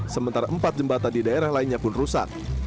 sementara empat jembatan di daerah lainnya pun rusak